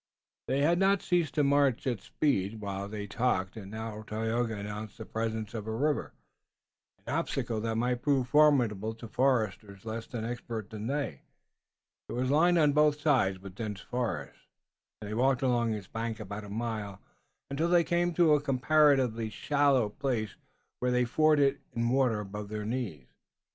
They had not ceased to march at speed, while they talked, and now Tayoga announced the presence of a river, an obstacle that might prove formidable to foresters less expert than they. It was lined on both sides with dense forest, and they walked along its bank about a mile until they came to a comparatively shallow place where they forded it in water above their knees.